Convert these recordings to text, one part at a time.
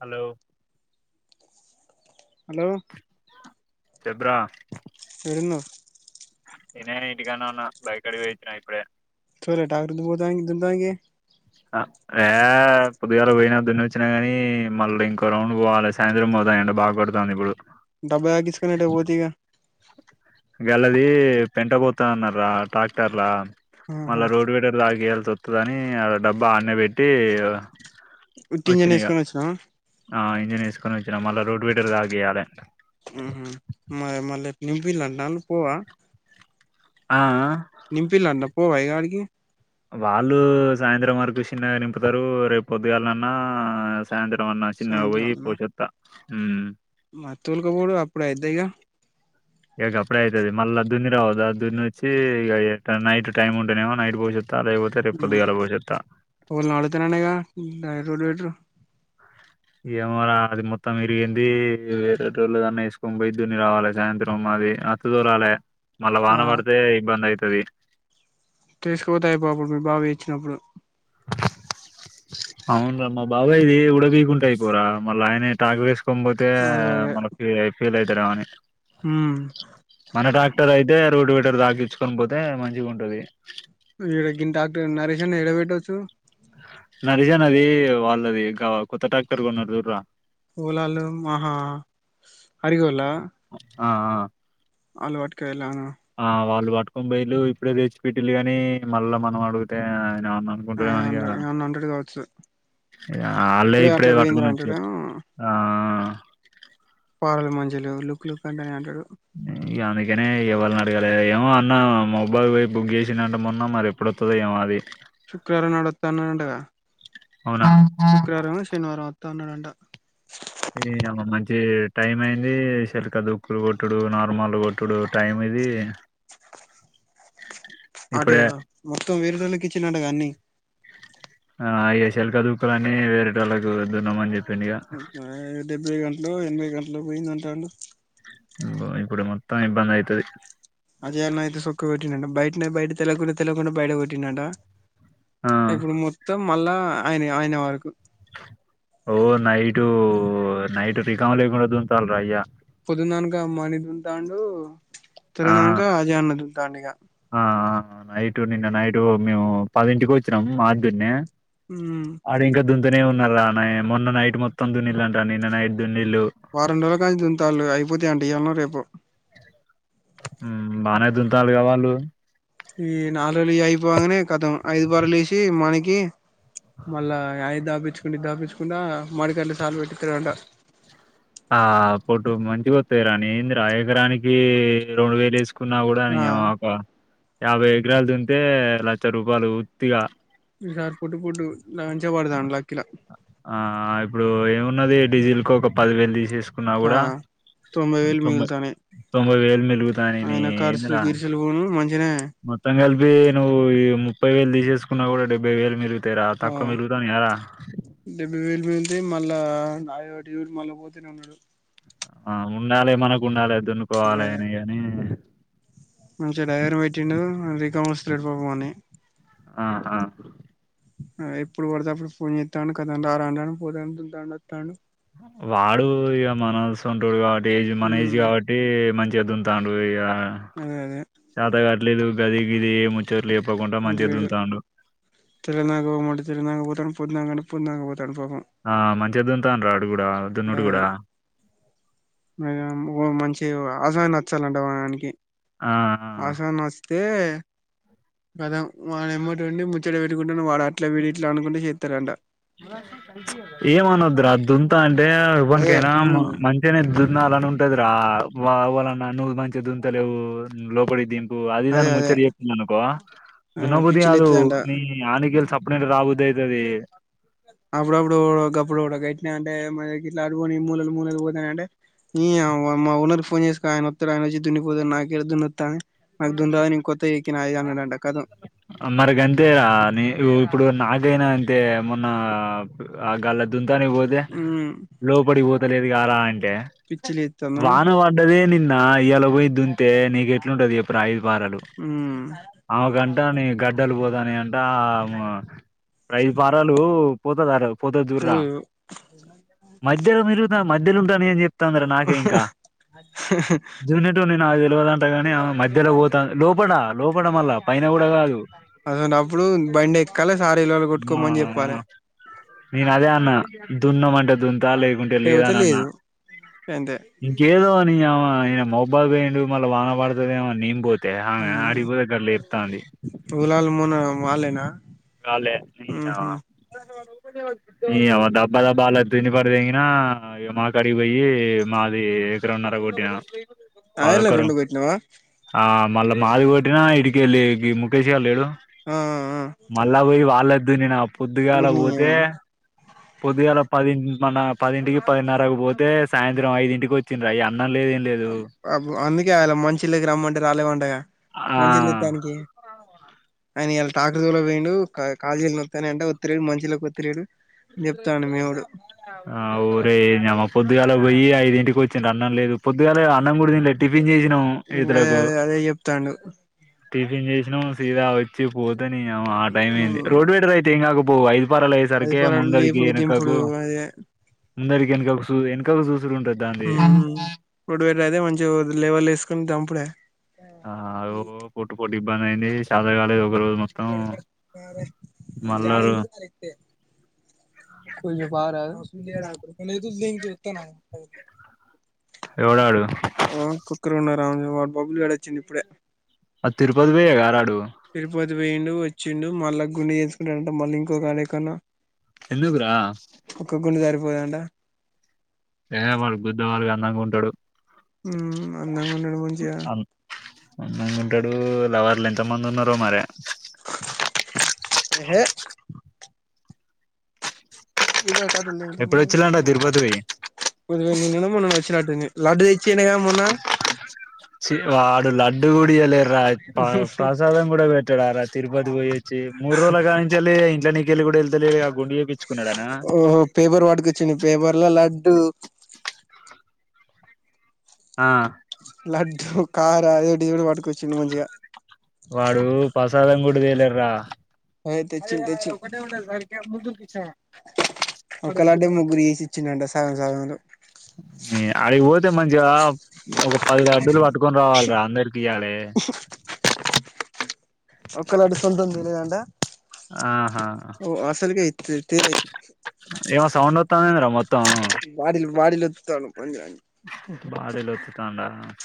Hello hello చెబ్రా ఏడున్నావ్ ఇనే ఇంటి కాన్నా ఉన్న బై కాడికి పోయి అచ్చిన ఇప్పుడే పోలే టాక్టర్ దగ్గరికి పోతా దున్నటానికి ఏ పొద్దుగాల పోయినా దున్న వచ్చినా కాగానీ మళ్ళీ ఇంకో రౌండ్ పోవాలి సాయంత్రం పోదా బాగా కొడతాంది ఇప్పుడు డబ్బా తాకిచ్చుకొని ఎటో పోతివి గా గలది పెంట పోతా అన్న రా ట్రాక్టర్ లా ఆహా మళ్ళా రోడ్డు వేటర్ తాగి వె తొతుదని ఆ డబ్బా ఆన్న పెట్టి ఉట్టింజని వచ్చిన ఇగ వేసుకొని వచ్చినవ ఆ ఇంజన్ వేసుకొని వచ్చినా మళ్ళా రోడ్ వీటర్ తగియాలే ఆహా మ మల్లిలోండన. పోవ ఆ ఇగ ఆడికి వాళ్ళు సాయంత్రం వర్ నింపుతారు రేపు పద్దుగాళ్న్నా సాయంత్రం అన్నా చిన్నగా పోయి పోషస్తా ఉమ్ మా అత్తొలకుకూడ అప్పుడు అయితయిగా. ఏ అప్పుడే అయితుది మల్ దున్ని వచ్చి ఇక నైట్ టైమ్ ఉంటుందేమో నైట్ పో [unintelligible] ఏమోరా అది మొత్తం విరిగింది వేరే టోలు దన్న వేసుకని పోయి దుని రావాలి సాయంత్రం మ. అది [inaudible] రాలే మళ్ళా వాన ఆ పడితే ఇబ్బంది అవుతుది తీసుకుపోతే ఇయిపోవు అప్పుడు మీ బావ ఏసి ఇచ్చినప్పుడు అవున రా మా బాబాయ్ ది ఉడాతీయకుండా ఉంటే అయిపోరా మళ్ళీ ఆయనే టాక పోతే మనకి ఫీల్ అయితారమని హు మన ట్రాక్టర్ అయితే రోడ్డు విటర్ దాక ఈడ్చుకొని పోతే మంచిగా ఉంటది ఇడ గి టాక్టర్ నరేష్ ఎడ పెట్టొచావు నరేషన్నది వాళ్ళది గా కొత్త టాక్టర్గా కొన్నారు చూడురా ఓలాల్లో హాహా అరి గోళ్ల అ ఆ అలవాటుకాల ఆ వాళ్ళు పట్టుకొని పోయిల్లు ఇప్పుడే తెచ్చిపెట్లు గాని మళ్ళా మనం అడుగితే న్న అనుకుంటున్నా అనిగా ఏమన్నా ఏమన్నా అంటడు కావచ్చు అళ్ళే ఇప్పుడే అట్లా పోయిందిరా కట్టుకొని అంటాడు వచ్చిరు ఆ మజలు లుక్ లుక్ అంటనే ఉంటారు. ఇక అందుకనే ఎవళని అడగాలే ఏమో అన్న మొబైల్ బుక్ చేసినంట మొన్న మరి ఎప్పుడొస్తదో ఏమో అది. శుక్రవారం నాడు వస్తా అన్న అంట గా అవునా శుక్రవారమ శనివారం అత్తా ఉన్నాడాంట ఇ యమ్మ మంచి టైం అయింది శరికా దుక్కులు కొట్టుడు నార్మల్ కొట్టుడు టైం. ఇది అటు ఇప్పుడే మొత్తం వేరేటోళ్ళకి ఇచ్చిండంటగా అన్ని ఆ అ చెలక దూక్క అని వేరేట వేరేటాళ్లకు దున్న మని చెప్పి డెబ్బై గంటలు ఎనభై గంటలు పోయిందంటాండు ఇప్పుడు మొత్తం ఇబ్బంది అయితది అదే అన్న అయితే సొక్క కొట్టింది బయటనే బయట తెలవకుండా తెలవకుండా బయట కొట్టిందంట ఆ ఇప్పుడు మొత్తం మళ్ళా ఆయన ఆయిన వరకు ఓ నైటు నైట్ రికవలీలేకుడ దున్నుతారు రా అయ్య పొద్దుననుక మణి దున్నుతాడు ఆ తరదనుక అజయ్ అన్న దంతాండు ఇక నైటు నిన్న నైటు మేము పదింటికి వచ్చినాము మాది దున్నే ఆడ ఇంకా దున్నుతూనే ఉన్న రా మొన్న నైట్ మొత్తం దునిల్లంట రా నిన్న నైట్ దున్ని వారం రోజుల కానీ దుంతళ్ అయిపోతా అంట ఇయ్యాలనో రేపో ఉ బాగానే దున్నుతురు కదా వాళ్ళు ఈ నాలుగు రోజులు అయిపోగానే కతం ఐదు పార్లు వేసి మనకి మళ్ళా [inaudible] దాప్పించుకుడా మడికట్లు సాలు పెట్టిస్తడుంట ఆ పటు మంచిగా వస్తాయి రా ఏంద రా ఎకరానికి ఏడు వేలు కున్నా కూడా నే ఆ ఒక యాభై ఎకరాలు దున్నితే లక్ష రూపాయలు ఉత్తిగా ఈసారి పుట్టు పుట్టు మంచిగా పడతాండు లక్కీలా ఆ ఇప్పుడు ఏమున్నది డీజిల్ కు ఒక పదివేలు తీసేసుకున్నా ఆ కూడా వేలు తొంభై మిగులుతానయి తొంభై వేలు మిగులుతానేని ఆయన ఖర్చులు ఏందిరా గిర్చులు పోను మంచిగనే మొత్తం కలిపి నువ్వు ఈ ముప్పై వేలు తీసేసుకున్నా కూడా డెబ్బై వేలు మీగు తేరా ఆ తక్కువ మిగులుతున్నాయా ర ఏంటి మళ్ళా నాయుడు అటు చూసి మళ్ళా పోతనే ఉన్నడు ఆ ఉండాలి మనకు ఉండాలి దున్నుకోవాలి అదే అని గాని తెగాయిరు పెట్టిండు [unintelligible] ఉ ఉ ఇక ఎప్పుడు పడితే అప్పుడు ఫోన్ చేత్తను కదా రారా అన్నాడు పోరా అనుకుంటాండు వత్తాండు వాడు ఇక మనవసొంటోడు కాబట్టి ఏజ్ మన ఏజ్ ఉమ్ కాబట్టి మంచి కే దుంతాండు ఇగ అదే అదే చేతగాట్లేదు గది గిది ఏ ముచోట్లే చెప్ అంత లేదు తెలంగాణకు పొమ్మంటే తెలంగాణకు పోతారూ పొద్దునాక అంటే పొద్దునాక పోత ఆ మంచిగ దుంతాడ్రూ రాడ్ బాగా [unintelligible] ఒ మంచి ఏవో ఆజా నచ్చాలంట వానికి ఆ ఆ ఆషా నస్తే కదా వాల్లెమ్మట ఉండి చెడ పెట్టుకుంటను వాడ అట్లా వీడి ఇట్లా అనుకుంటు చేస్తారంట ఏమనద్ధుర దుంతాంటే అదే ఎవనికైనా ఉమ్ మ మంచిగనే ద్దున్నాలనుంటది రా వా అవాలనా నువు మంచిగ దుంతలేవు లోపలికి దింపి ఆ అదే అదిదాన అదే ముచ్చటి చెప్పిందనుకో ఆ దున్నబుద్ధి పిచ్చి కాదు లేత్తదంట నీ ఆనకెల్ సప్పన రాబుద్దయితది అప్పుడప్పుడు గప్పుడు కూడ గట్నే అంటే మనకిట్లా అడుగుని మూలలు మూలలు పోతాయి అంటే నీ అవ్వ మా ఓనర్ కి ఫోన్ చేసుకో ఆయనోత్తడు అయనోచ్చి దున్నిపోతాడు నాకీడ దున్నితాది అది దున్నడానికి కొత్త ఎక్కినాయ్ అన్నాడంట కధం అందరికంగంటే ఆ నే ఇప్పుడు నా దేనా అంతే మొన్న ఆ గల దుంతానికి పోతే ఉమ్ లోపడికిపోతలేదు గారా అంటే పిచ్చి లేత్తందా వాన పడ్డదే నిన్న నా ఇయ్యాల పోయి దుంతే నీకు ఎట్లుంటది చెప్పు రా ఐదు వారాలు ఉమ్ ఆమేకంట గడ్డలు పోతాన్నాయంటా ఆమ ఐదు పారాలు పోతదా ర పోతది చూడరా పోదు మధ్యలో మేరుగుతా మధ్యలో ఉంటానే చెప్తంది రా నాకే ఇంకా జూనిటు నిన్న తెలివదంట గాని మధ్యలో పోతా లోపడా లోపడ మల్ల పైన కూడా కాదు అసంటప్పుడు బండి ఎక్కాలేదు సార్ [unintelligible] మా చెప్పాలి నేను అదే అన్న దున్నమంటే దుం త లేకుంటే లేదా లేకపోతే అని అన్నా లేదు అంతే ఇంకేదో అని [unintelligible] మొబ్బాయిపోయి ఎందుకు మళ్ళా వాన పడుతదేమో అని నేనుపోతే ఆమె ఆడకిపోతే అక్కడ లేదు పూలాలమోన వాళ్లేనా కాల్లే తిరిగినావ నీ యవ్వ డబ్బా డబ్బాలే తిని పాడి దెంగిన మా కాడికి పోయి మాది [unintelligible] మర కొట్టిన ఆయల అరకొరం రెండు కొట్టినావా ఆ మళ్ళ మాది కొట్టినా ఇడికెలే ఈ ముకేష్ గాడు లేడు ఆ ఆ మళ్ళా పోయి వాల్లే దున్నిన పొద్దుగాలా ఊరిని పోతే పొద్దుగాల పది మన పదింటికి పదిన్నరకు పోతే సాయంత్రం ఐదింటికి వచ్చిందిరి అయ్య అన్నం లేదు ఏం లేదు అందుకే ఆయన మంచిళ్ళకి రమ్మంటే రాలే వండగా ఆ మంచిది తెత్తానికి అయన ఇయలా ట్రాక్టర్ తోలేకి పోయిండు [unintelligible] చెప్తాండు మేముడు ఆ ఒరే [unintelligible] పొద్దుగాల పొయ్యి ఐదు ఇంటికి వచ్చింన అన్నం లేదు పొద్దుగాలే అన్నం కూడ తినలే టిఫిన్ చేసినాం ఇంగ అదే ఇతలకు అదే అదే చెప్తాండు టిఫిన్ చేసిన తీర వచ్చి పోతనే ఆ టైమ్ అయ్యింది ఉమ్ రోడ్డు పెడద అయితే ఏం కాకపో ఐదు పరాల అతే అది సరికే పరడు ముందరికి లేపుడు ఎనకకు దింపుడు అదే ముందరకి వెనకకు చూ వెనకక చూసుడు ఉంటుంది దంది ఉమ్ ఇప్పుడు వీళ్ళు అదే మంచి [unintelligible] కొట్టి కొట్టి ఇబ్బంది అయ్యింది [unintelligible] ఒక రోజు మొత్తం మల్ల కొ వపార లే ఎవడాడు ఆ కుక్కరు ఉన్నార వాడు బబ్బులు గాడు వచ్చిండ ఇప్పుడే అ తరుపతి కి పోయి ఆరాడు తిరుపతి పోయిండు వచ్చిండు మళ్ళా గుండె చేసుకుంటడంట మళ్ళీ ఇంకోకడేకన్నా ఎందుకురా ఒక్కక్క [unintelligible] సరిపోదంట ఏ వాడు [unintelligible] అందంగా ఉంటాడు అందంగా ఉంటాడు మంచిగా అందగా ఉంటాడు లవర్లు ఎంత మంది వుంటారో మరి ఏ హే ఎప్పుడొచ్చినావ్ తిరుపతికి నిన్ననో మొన్ననో వచ్చినట్టుంది లడ్డు తెచ్చిండుగా మొన్న వాడు లడ్డు [unintelligible] ప్రసాదం కూడ పెట్టాడ రా తిరుపతి పోయి వచ్చి మూడు రోజులుగా నుంచి వెళ్ళ ఇట్ నీకెళ్ళి వెళ్తలేగా ఆ గుండు చేయించుకున్నాడ ఓహో పేపర్ పట్టుకొచ్చిండు పేపర్ లో లడ్డు ఆ లడ్డు కార అదోటి ఇదోటి పట్టుకొచ్చిండు మంచిగా వాడు ప్రసాదం [unintelligible] తెచ్చి తెచ్చి ఒకలడ్డే ముగ్గురు చేసి ఇచ్చినంట సగం సాగంలో అడికిపోతే మంచిగా ఒక పది లడ్డులు పట్టుకొని రావాలిర అందరికి ఇ య్యలే ఒక్క లడ్డు సొంతంది లేదంట ఆహా తేలే ఏమో సౌండ్ వత్తాంది ఎందిరా మొత్తం బాడీలు బాడీలు ఒత్తుతాండు పందిరాన్ని [unintelligible]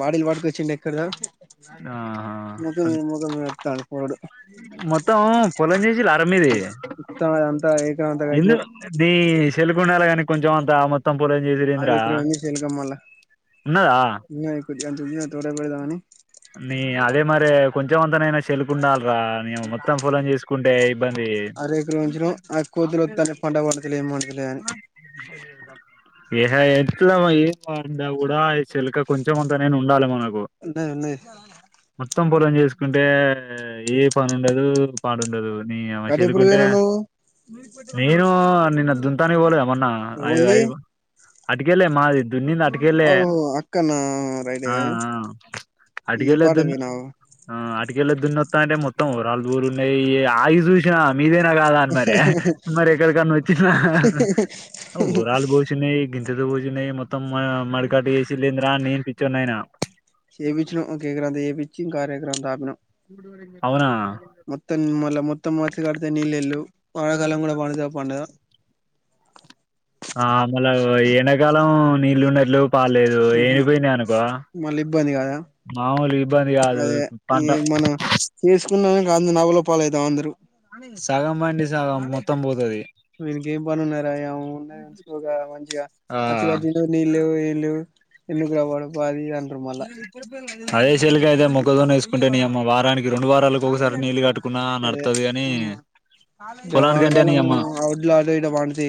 బాడీలు వాడుకొచ్చిండే ఎక్కడో ఆహా ముఖ ముఖమస్తాడు మొత్తం పొలం చేసిల్లా రా మీది మొత్తం ఇదంత ఎందు నీ సల్కుండాల కాని కొంచెం అంత మొత్తం [unintelligible] ఉన్నదా [unintelligible] అదే మరి కొంచెం అంతనైనా చెలుకుండాలిరా నే మొత్తం ఫొలం చేసుకుంటే ఇబ్బంది అర ఎకరం ఉంచినం ఆ కోతులు ఒత్తుతాన్నయి పంట పండుతలే ఏం పండుతలే అని ది ఏహ ఎట్ల ఏ అం కూడా చిలక కొంచెం అంతా న ఉండాలి మన ఉంటది ఉంటా మొత్తం పొలం చేసుకుంటే ఏ పని ఉండదు పాడుండదు న అమ అటు ఎప్పుడు చెలుకుంటే పోయినవు నువ్వు నేను నిన్న దుంతాని పోలే అమొన్న ఐ ఓల్ది ఐదు అటికలే మాది దునింది అటికళ్లే ఓ అక్కనా రైటే ఆ కాదు ఈ అడ్గలా బాటకు దున్న పోయినావు అతికెళ్ళే దున్నొత్తా అంటే మొత్తం లు దూరు ఉన్నాయి ఆగి చూసినా మీదైనా కాదా అని మరి మరి ఎక్కడికన్నా వచ్చినా రాలు బోషినే గింజలు బోసి మొత్తం మొత్తం మడికాట్ వసి లేంద్రా నేను పిచ్చిన్నాయనా ఏపిచిన కేకరా ఏపిచ ఇంకా అరకెరందక అిన అవునా మొత్తం ని మల్ల మొత్తం మాచగాడతే నీలెళ్లు మళకాలం కూడా వర్ష పండుద ఆ మళ ఎండాకాలం నీళ్లు ఉన్నయి మళ్ళీ ఇబ్బంది కదా మామూలు ఇబ్బంది కాదు అదే ఈ పంట మనం చేసుకున్నానికి అంత నవలోపాలు అవుతాం అందరు సగం బండి సగం మొత్తం పోతుది మీరిక ఏ పడున్నారాను న్నాకోగా మంచిగా ఆ అచ్చగాజీలు నీళ్ళు వీళ్ళు అదే చెలిక అయితే మొక్కతోన్న వేసుకుంటే న అమ్మ వారాన్ని రెండు వారాలకు ఒకసారి నీళ్ళు కట్టుకున్నా నడుతది అని అే వానకాలం అడ్లా ఆడ ఇడ పండితే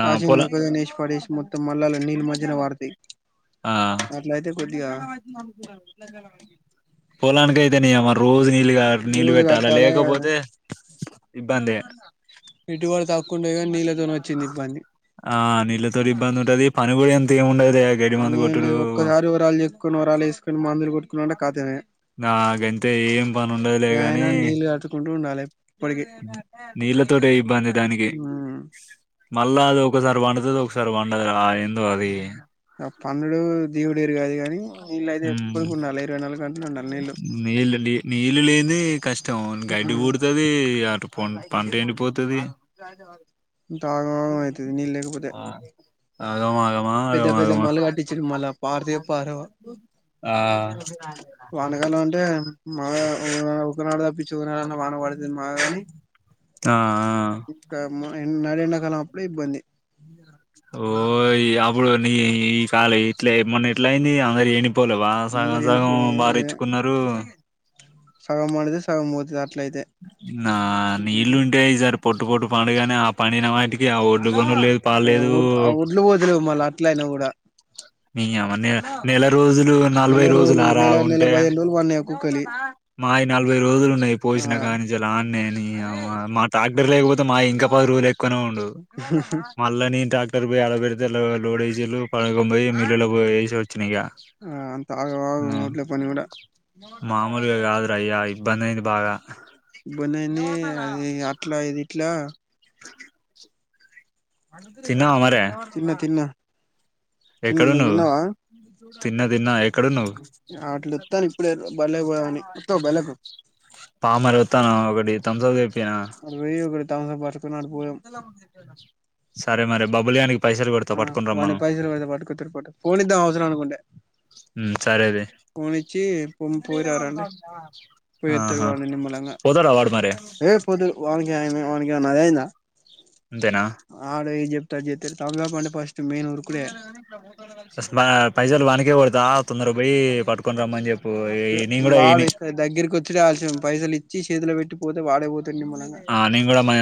ఆ రాజ పొల మొక్కజొన్న నేష్ పడేసి మొత్తం మల్లాల నీళ్ళ మధ్యిన వారతి పోలాడ్ కైతేని అ నీళ్ళ గారు నీళ్ళు రోజు పెట్టాలా కట్టాలే లేకపోతే ఇబ్బందిే పెట్టుబడి తక్కువ ఉండే కానీ నీళ్ళతోనే వచ్చింది ఇబ్బంది ఆ నిలతో ఇబ్బంది ఉంటది పని కూడా ఎంత ఉ కానీ ఒక్కసారి రాళు చెక్సుకొని వరాళు వేసుకొని మాందులు కొట్టుకునింటే కాఖతానే నాకంతే ఏం పని ఉండదులే కానీ ఏమైనా నీళ్ళు కట్టుకుంటూ ఉండాలి ఎప్పటికి నీళ్ళ తటి ఇబ్బంది దానికి ఉమ్ మళ్ళా అది ఒకసారి పండుతుంది ఒకసారి వండదు ఏందో అది ఆ పన్నుడు దేవుడుేరు కాదు కాని నీళ్ళు అయితే ఎప్పడుకి ఉండాలి ఇరవై నాలుగు గంటలు ఉండాలి నీళ్ళు నీల్ నీళ్లులేనిది కష్ట మొత్తం గడ్డి పడుతుది అటు ప పంట ఎండిపోతుది ఇంత ఆగమాగం అయితది నీళ్ళు లేకపోతే అగమా ఆగమా పెద్ద పెద్ద అగగమా మళ్ళు కట్టించిరు మళ్ళా పారతాయో పారవో ఆ వానకాలం అంటే మాగా ఒకనాడు తప్పించు ఒకనాడున్న వాన పడుతుంది మాగా గాని త ఇ నండా కాలం అప్పుడే ఇబ్బంది పో అప్పుడు నీ ఈ కాాల ఇట్లా మొన్న ఎట్లయింది అందరి ఏ పోలే బా సగం అందరు సగం ఎండిపోయిన బారేచ్చుకున్నారు సగం మనది సగం పోతది అట్లయితే నా ఇల్లు ఉంటె జారు పట్ తటు పాాడుగానే ఆ పండినవాటి ఇ ఒడ్డ్లు కొను లేదు పాలలేదు ఆ ఒడ్లు పోతలేవు మళ్ళీ అట్లయినా కూడా నమ నెల రోజులు నలభై నెల రోజులు రోజులుార నెల నెల ఉంటే పదిహేను రోజులు పన్నాయి కుక్కలి మావి నలభై రోజులు ఉన్నయి ఆ పోశినా కానీ నుంచెలి ఆడ్నే నీ అవ్వా మా ట్రాక్టర్ లేకపోతె తే మా ఇంకా పది రోజులు ఎక్కువనే ఉండూ మళ్ళ నేన్ ట్రాక్ క్టర్ పోయి ఆడ పెడితే లో లోడ్ ఏశిన్లు పడకం పోయి మిల్లులో పొయి ఏశొచ్ చ్చినిగా ఆ అంత ఆగం ఆగం ఆ ఒడ్ల పని కూడా మాములుగా గాదు ఇగా ఇబ్బంది అయింది బాగా ఇబ్బంది అయ్యిందీ అది ఇగా అట్లా ఇది ఇట్లా. తిన్నవా మరే తిన్నా తిన్నా తిన్ నువ్వు ఎక్కడున్నవ్వు తిన్నావా తిన్న తిన్నా ఎక్కడున్నవ్వు. అట్లు వత్తాను ఇప్పుడే బళ్ళకి పోదామని వత్తవా బళ్ళకు పామరి వత్తానా ఒకటి థంబ్స్ అప్ తెప్ రేయ్ ఒకటి థంబ్స్ అప్ బాటిల్ సరే మరి బబులి గానికి పైసలు కొడతా ఆ పట్టుకొని రమ్మను వానికి పైసలు పడితే పట్టుకొత్తడు పట్టు ఫోన్ ఇద్దాం అవసరం అనుకుంటే హ్మ సరేదే. ఫోన్ ఇచ్చి పొమ్ పోయిరారండి పోయొత్తడు ఆహా వాడు నిమ్మలంగా పోతరా వాడు మరే ఏ పోతడు వానికి ఏమైన వానికి ఏమన్నా అదైందా. అంతేనా చేత్తడు తమ్ములాప అంటే ఫస్ట్ మెయిన్ ఉరుకుడే మా పైసలు వానికే కొడ్ తొందరగా పొయ్యీ పట్టుకొని రమ్మని చెప్పూ ఈ నేను గూడా వాడు ఈడనే. ఇక్కడ దగ్గరికి వచ్చుడే ఆలస్యం పైసలు ఇచ్చి చేతిలో పెట్టి పోతే వాడే పోతాడు నిమ్మలంగా ఆ నేను గూడా మా